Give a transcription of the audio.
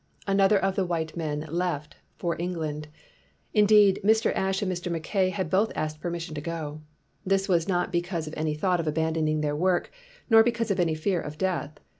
Another of the white men left for England. In deed, Mr. Ashe and Mr. Mackay had both asked permission to go. This was not be cause of any thought of abandoning their work nor because of any fear of death.